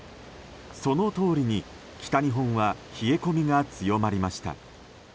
そのとおりに北日本は冷え込みが強まりました。